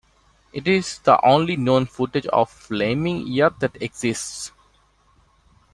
It is the only known footage of Flaming Youth that exists.